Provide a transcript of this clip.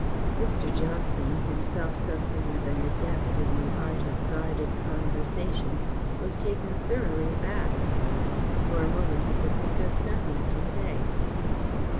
Mr. Johnson, himself something of an adept in the art of guarded conversation, was taken thoroughly aback. For a moment he could think of nothing to say.